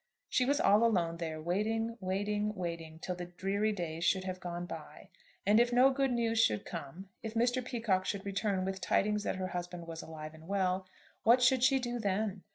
She was all alone there, waiting, waiting, waiting, till the dreary days should have gone by. And if no good news should come, if Mr. Peacocke should return with tidings that her husband was alive and well, what should she do then?